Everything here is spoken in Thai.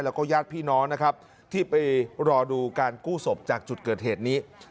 แล้วก็ญาติพี่น้องนะครับที่ไปรอดูการกู้ศพจากจุดเกิดเหตุนี้